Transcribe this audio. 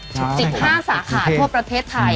๑๕สาขาทั่วประเทศไทย